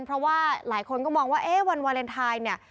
เพราะว่าหลายคนก็มองว่าเอ๊ะวันวาเลนไทยเนี่ย